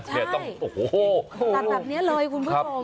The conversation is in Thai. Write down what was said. ใช่ต้องโอ้โหตราตรับนี้เลยคุณผู้ชม